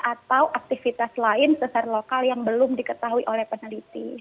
atau aktivitas lain sesar lokal yang belum diketahui oleh peneliti